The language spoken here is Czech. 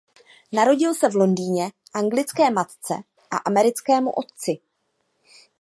Narodil se v Londýně anglické matce a americkému otci.